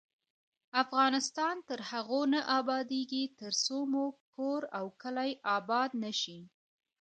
افغانستان تر هغو نه ابادیږي، ترڅو مو کور او کلی اباد نشي.